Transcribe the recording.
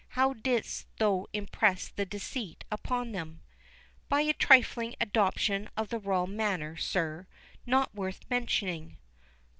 —How didst thou impress the deceit upon them?" "By a trifling adoption of the royal manner, sir, not worth mentioning."